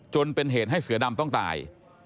จนเป็นเหตุให้เสือดำต้องตาย